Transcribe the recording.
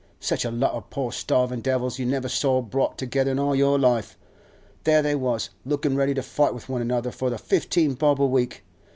Such a lot o' poor starvin' devils you never saw brought together in all your life. There they was, lookin' ready to fight with one another for the fifteen bob a week.